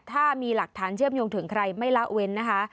ถ้ามีหลักฐานเชื่อมโยงถึงใครไม่ละเว้นนะคะ